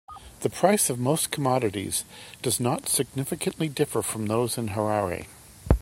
The prices of most commodities does not significantly differ from those in Harare.